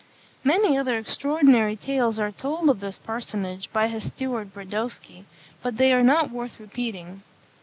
Many other extraordinary tales are told of this personage by his steward Brodowski, but they are not worth repeating.